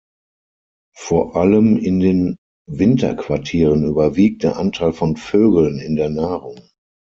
Vor allem in den Winterquartieren überwiegt der Anteil von Vögeln in der Nahrung.